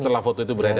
setelah foto itu beredar